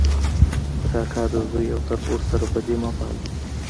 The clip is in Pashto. د کاکا د زوی او تربور سره بدي مه پاله